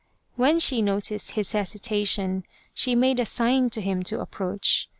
When she noticed his hesitation she made a sign to him to approach.